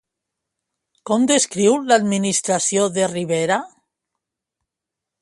Com descriu l'administració de Rivera?